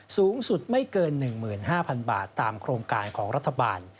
สูงสุดไม่เกินหนึ่งหมื่นห้าพันบาทตามโครงการของรัฐบาล